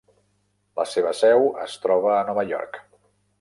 La seva seu es troba a Nova York.